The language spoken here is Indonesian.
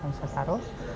lalu saya taruh